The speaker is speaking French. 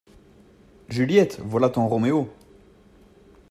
Juliette, voilà ton Roméo !